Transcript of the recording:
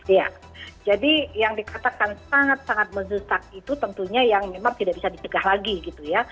iya jadi yang dikatakan sangat sangat mendesak itu tentunya yang memang tidak bisa dicegah lagi gitu ya